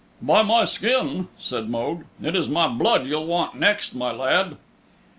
"By my skin," said Mogue, "it's my blood you'll want next, my lad."